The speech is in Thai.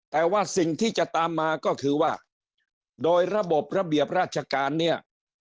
แต่ว่าสิ่งที่จะตามมาก็คือว่าโดยระบบระเบียบราชการเนี่ย